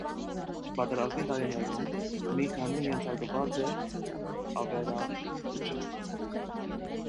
Պատերազմի տարիներուն մի քանի ենթարկուած է աւերածութեան։